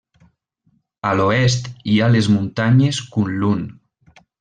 A l'oest hi ha les muntanyes Kunlun.